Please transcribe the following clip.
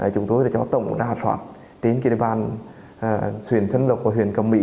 chúng tôi đã cho tổng ra soạn trên kỳ đề bàn xuyền sân lộc của huyền cầm mỹ